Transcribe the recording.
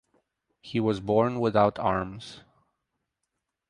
He was born without arms.